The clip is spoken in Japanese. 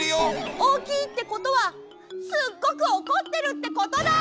おおきいってことはすっごくおこってるってことだ！